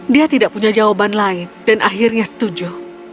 dia tidak punya jawaban lain dan akhirnya setuju